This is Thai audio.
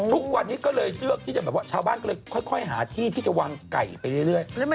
ทุกวันนี้ก็เลยเลือกที่จะแบบว่าชาวบ้านก็เลยค่อยหาที่ที่จะวางไก่ไปเรื่อย